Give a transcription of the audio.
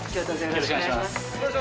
よろしくお願いします